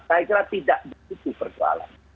saya kira tidak butuh perjualan